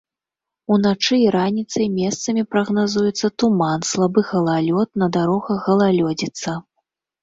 Уначы і раніцай месцамі прагназуецца туман, слабы галалёд, на дарогах галалёдзіца.